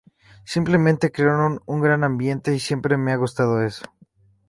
Simplemente, crearon un gran ambiente, y siempre me ha gustado eso.